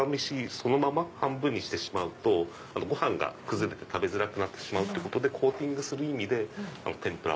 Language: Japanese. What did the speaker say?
そのまま半分にしてしまうとご飯が崩れて食べづらくなってしまうってことでコーティングする意味で天ぷら。